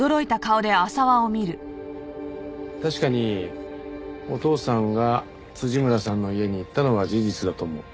確かにお父さんが村さんの家に行ったのは事実だと思う。